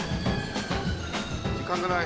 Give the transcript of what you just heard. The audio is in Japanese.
時間がない。